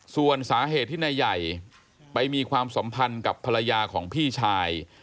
ส่วนสาเหตุที่นายใหญ่ไปมีความสัมพันธ์กับภรรยาของพี่ชาย